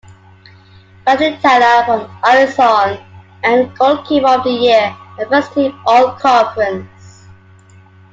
Bradley Tella, from Arizon, earned Goalkeeper of the year, and First team all-conference.